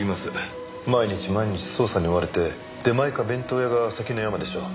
毎日毎日捜査に追われて出前か弁当屋が関の山でしょう。